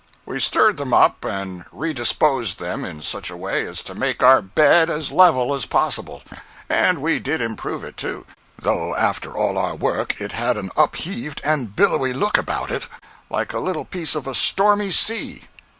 We stirred them up and redisposed them in such a way as to make our bed as level as possible. And we did improve it, too, though after all our work it had an upheaved and billowy look about it, like a little piece of a stormy sea.